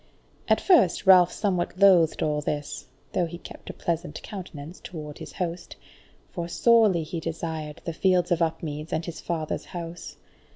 At first Ralph somewhat loathed all this (though he kept a pleasant countenance toward his host), for sorely he desired the fields of Upmeads and his father's house.